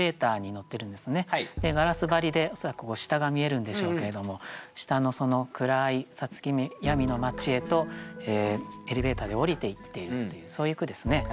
ガラス張りで恐らく下が見えるんでしょうけれども下の暗い五月闇の街へとエレベーターで降りていっているというそういう句ですね。